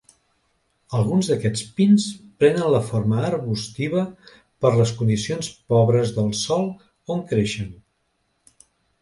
Alguns d'aquests pins prenen la forma arbustiva per les condicions pobres del sòl on creixen.